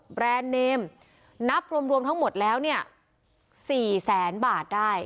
แรนด์เนมนับรวมทั้งหมดแล้วเนี่ย๔แสนบาทได้